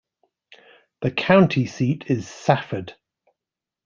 The county seat is Safford.